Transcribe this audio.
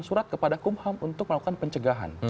surat kepada kumham untuk melakukan pencegahan